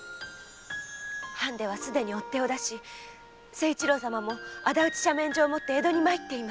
藩ではすでに追手を出し誠一郎様も仇討ち赦免状を持って江戸に参っています。